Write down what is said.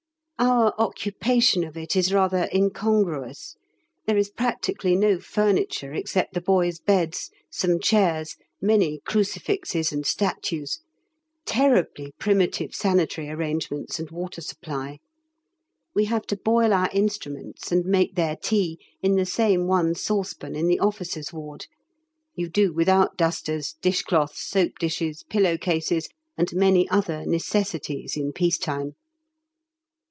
Our occupation of it is rather incongruous; there is practically no furniture except the boys' beds, some chairs, many crucifixes and statues, terribly primitive sanitary arrangements and water supply. We have to boil our instruments and make their tea in the same one saucepan in the Officers' Ward; you do without dusters, dishcloths, soap dishes, pillow cases, and many other necessities in peace time.